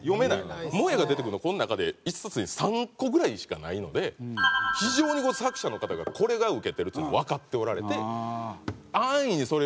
萌えが出てくるのこの中で１冊に３個ぐらいしかないので非常に作者の方がこれがウケてるというのわかっておられて安易にそれは使いませんっていう。